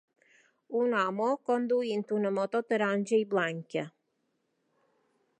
Un home conduint una moto taronja i blanca.